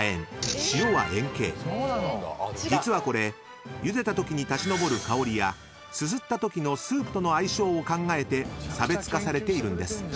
［実はこれゆでたときに立ち上る香りやすすったときのスープとの相性を考えて差別化されているんです］